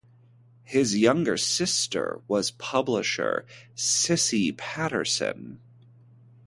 His younger sister was publisher Cissy Patterson.